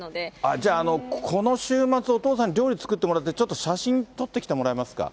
じゃあ、この週末、お父さんに料理作ってもらって、ちょっと写真撮ってきてもらえますか？